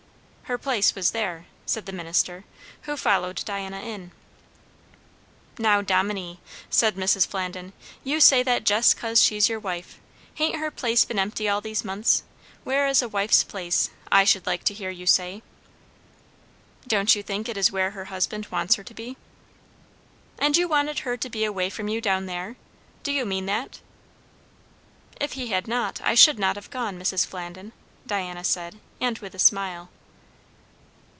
"Her place was there," said the minister, who followed Diana in. "Now, dominie," said Mrs. Flandin, "you say that jes' 'cause she's your wife. Hain't her place been empty all these months? Where is a wife's place? I should like to hear you say." "Don't you think it is where her husband wants her to be?" "And you wanted her to be away from you down there? Do you mean that?" "If he had not, I should not have gone, Mrs. Flandin," Diana said, and with a smile.